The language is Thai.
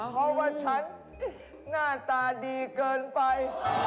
เพราะว่าฉันหน้าตาดีเกินไป